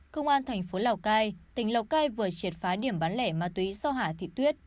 công an thành phố lào cai tỉnh lào cai vừa triệt phá điểm bán lẻ ma túy do hạ thị tuyết